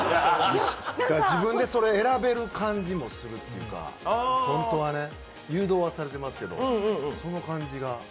自分でそれを選べる感じもするというか、ホントはね、誘導はされてますけどその感じが。